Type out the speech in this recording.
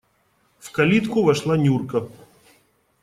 В калитку вошла Нюрка.